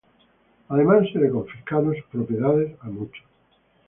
Además se les confiscaron sus propiedades a muchos.